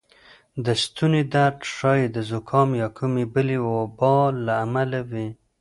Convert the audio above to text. د ستونې درد ښایې د زکام یا کومې بلې وبا له امله وې